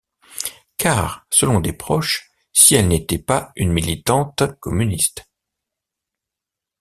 Car selon des proches, si elle n'était pas une militante communiste.